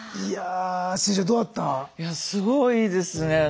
いやすごいですね。